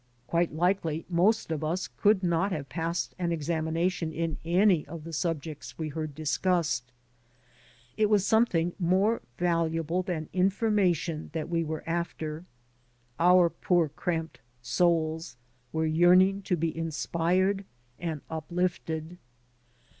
Quite likely most of us could not have passed an examination in any of the subjects we heard discussed. It was some thing more valuable than information that we were after. Our poor, cramped souls were yearning to be inspired and uplifted.